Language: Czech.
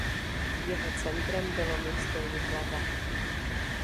Jeho centrem bylo město Jihlava.